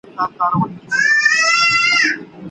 اقتصاد پوهنځۍ سمدلاسه نه تطبیقیږي.